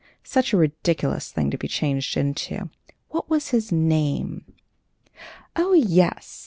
"Such a ridiculous thing to be changed into! What was his name?" "Oh, yes!